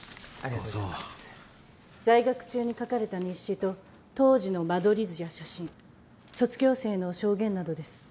在学中に書かれた日誌と当時の間取り図や写真卒業生の証言などです。